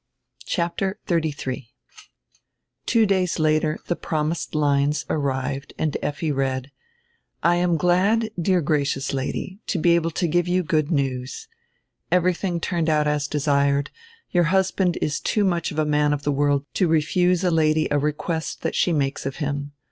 CHAPTER XXXIII TWO days later the promised lines arrived and Effi read: "I am glad, dear gracious Lady, to be able to give you good news. Everything turned out as desired. Your husband is too much a man of the world to refuse a Lady a request that she makes of him.